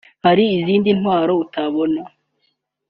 hari n’izindi ntwaro utabona